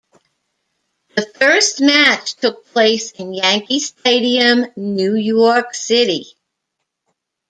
The first match took place in Yankee Stadium, New York City.